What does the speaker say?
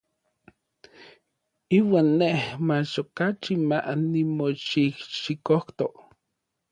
Iuan nej mach okachi ma nimoxijxikojto.